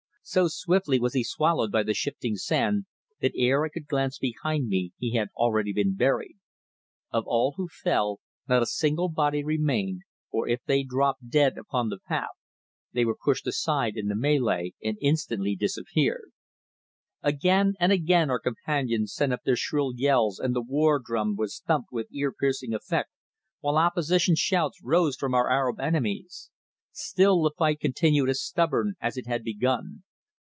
So swiftly was he swallowed by the shifting sand, that ere I could glance behind he had already been buried. Of all who fell, not a single body remained, for if they dropped dead upon the path they were pushed aside in the mêlée and instantly disappeared. Again and again our companions sent up their shrill yells and the war drum was thumped with ear piercing effect, while opposition shouts rose from our Arab enemies. Still the fight continued as stubborn as it had begun.